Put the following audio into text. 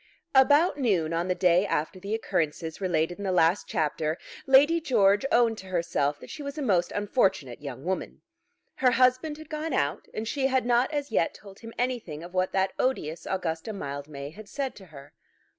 About noon on the day after the occurrences related in the last chapter Lady George owned to herself that she was a most unfortunate young woman. Her husband had gone out, and she had not as yet told him anything of what that odious Augusta Mildmay had said to her.